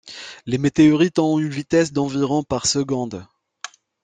Les météorites ont une vitesse d'environ par seconde.